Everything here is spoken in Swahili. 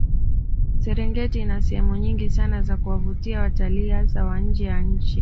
Serengeti ina sehemu nyingi sana za kuwavutia watalii hasa wa nje ya nchi